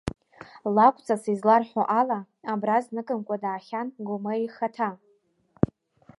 Лакәҵас изларҳәо ала, абра зныкымкәа даахьан Гомер ихаҭа.